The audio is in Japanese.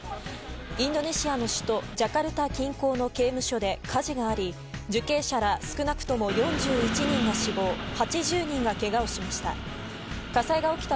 インドネシアの首都ジャカルタ近郊の刑務所で火事があり受刑者ら少なくとも４１人が死亡８０人がけがをしました。